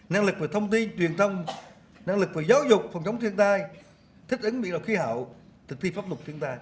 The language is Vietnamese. năng lực về thông tin truyền thông năng lực về giáo dục phòng chống thiên tai thích ứng biển đổi khí hậu